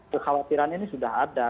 kekhawatiran ini sudah ada